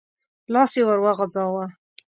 لاس يې ور وغځاوه.